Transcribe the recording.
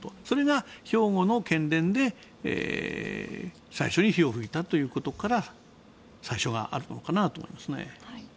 それが兵庫の県連で最初に火を噴いたということから最初があるのかなと思いますね。